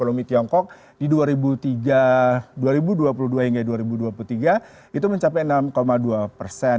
ekonomi tiongkok di dua ribu dua puluh dua hingga dua ribu dua puluh tiga itu mencapai enam dua persen